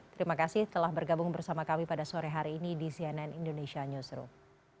terima kasih telah bergabung bersama kami pada sore hari ini di cnn indonesia newsroom